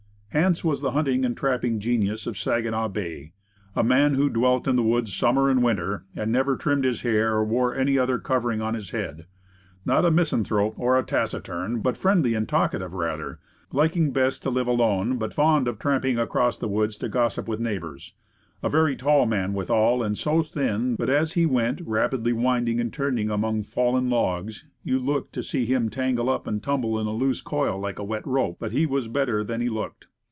Hance was the hunting and trapping genius of Saginaw Bay a man who dwelt in the woods sum mer and winter, and never trimmed his hair or wore any other covering on his head. Not a misanthrope, or taciturn, but friendly and talkative rather; liking best to live alone, but fond of tramping across the woods to gossip with neighbors; a very tall man withal, and so thin that, as he went rapidly winding and turning among fallen logs, you looked to see him tangle up and tumble in a loose coil, like a wet rope, but he was better than he looked.